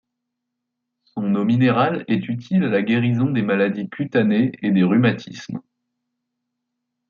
Son eau minérale est utile à la guérison des maladies cutanées et des rhumatismes.